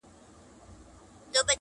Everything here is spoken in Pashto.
د ګلونو پر غونډۍ اورونه اوري!!